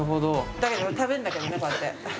だけど、食べんだけどね、こうやって。